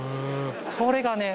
これがね